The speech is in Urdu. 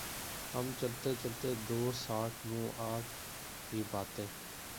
ہم چلتے چلتے دوسآٹھ منہ آٹھ ہی باتیں